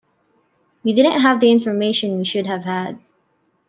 We didn't have the information we should have had.